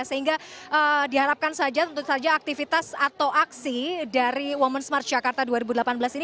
sehingga diharapkan saja tentu saja aktivitas atau aksi dari women's march jakarta dua ribu delapan belas ini